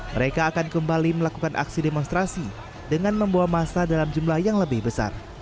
mereka akan kembali melakukan aksi demonstrasi dengan membawa masa dalam jumlah yang lebih besar